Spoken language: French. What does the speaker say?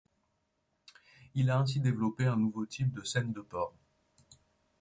Il a ainsi développé un nouveau type de scènes de port.